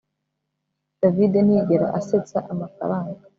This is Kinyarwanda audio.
David ntiyigera asetsa amafaranga